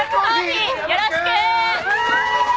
よろしく！